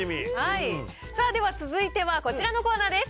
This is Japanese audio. さあ、では続いてはこちらのコーナーです。